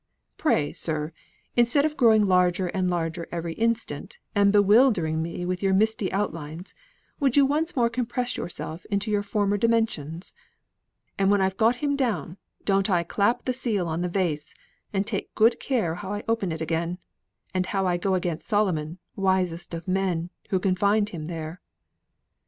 Pray, sir, instead of growing larger and larger every instant, and bewildering me with your misty outlines, would you once more compress yourself into your former dimensions?' And when I've got him down, don't I clap the seal on the vase, and take good care how I open it again, and how I go against Solomon, wisest of men, who confined him there."